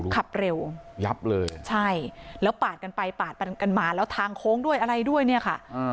ขับเร็วยับเลยใช่แล้วปาดกันไปปาดกันมาแล้วทางโค้งด้วยอะไรด้วยเนี่ยค่ะ